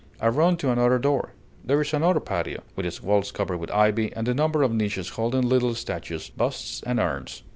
I run to another door: there is another patio, with its walls covered with ivy, and a number of niches holding little statues, busts, and urns.